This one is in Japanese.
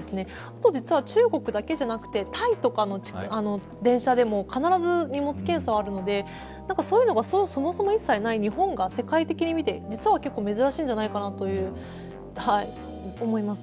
あと、中国だけじゃなくて、タイとかの電車でも必ず荷物検査はあるので、そういうのがそもそも一切ない日本が世界的に見て実は結構珍しいんじゃないかと思いますね。